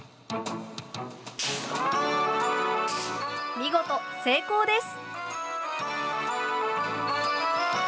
見事成功です！